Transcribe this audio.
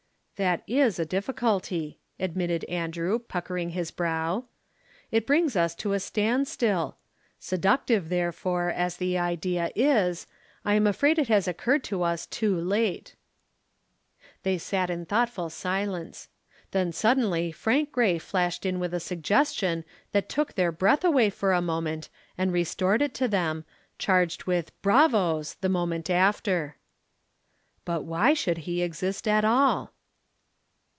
"That is a difficulty," admitted Andrew, puckering his brow. "It brings us to a standstill. Seductive, therefore, as the idea is, I am afraid it has occurred to us too late." They sat in thoughtful silence. Then suddenly Frank Grey flashed in with a suggestion that took their breath away for a moment and restored it to them, charged with "Bravos" the moment after. "But why should he exist at all?"